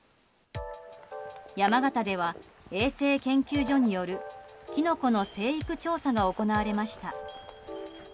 山形では、衛生研究所によるキノコの生育調査が行われました。